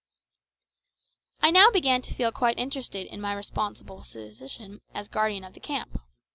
I now began to feel quite interested in my responsible position as guardian of the camp.